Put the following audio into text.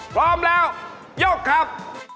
พร้อมแล้วยกครับ